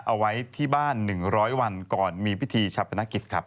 เอาไว้ที่บ้าน๑๐๐วันก่อนมีพิธีชาปนกิจครับ